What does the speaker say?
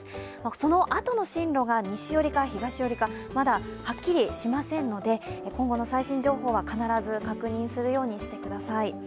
そのあとの進路が西寄りか東寄りかまだはっきりしませんので、今後の最新情報は必ず確認するようにしてください。